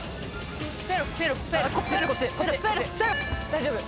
大丈夫。